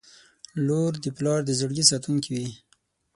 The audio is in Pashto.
• لور د پلار د زړګي ساتونکې وي.